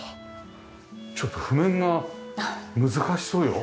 ちょっと譜面が難しそうよ。